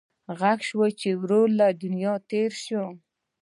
غږ شو چې ورور له دنیا تېر شو.